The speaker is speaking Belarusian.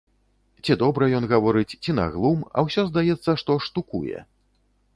Ці добра ён гаворыць, ці на глум, а ўсё здаецца, што штукуе.